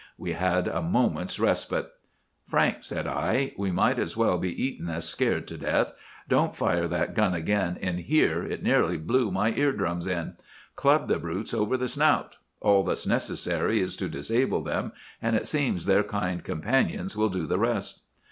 We had a moment's respite. "'Frank,' said I, 'we might as well be eaten as scared to death. Don't fire that gun again in here. It nearly blew my ear drums in. Club the brutes over the snout. All that's necessary is to disable them, and it seems their kind companions will do the rest.